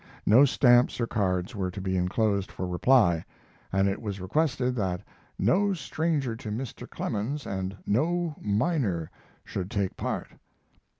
No stamps or cards were to be inclosed for reply, and it was requested that "no stranger to Mr. Clemens and no minor" should take part.